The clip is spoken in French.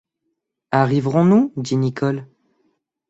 Arriverons-nous ? dit Nicholl.